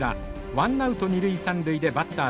ワンナウト二塁三塁でバッター